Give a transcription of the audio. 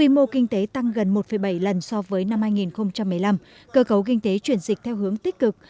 mô kinh tế tăng gần một bảy lần so với năm hai nghìn một mươi năm cơ cấu kinh tế chuyển dịch theo hướng tích cực